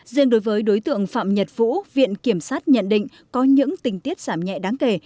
riêng đối với đối tượng phạm nhật vũ viện kiểm sát nhận định có những tình tiết giảm nhẹ đáng kể